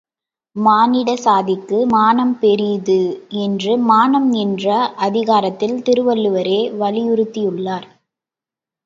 மானிட சாதிக்கு மானம் பெரிது என்று மானம் என்ற அதிகாரத்தில் திருவள்ளுவரே வலியுறுத்தியுள்ளார்.